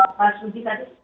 tapi yang pak susi tadi